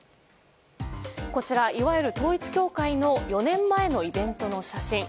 こちらいわゆる統一教会の４年前のイベントの写真。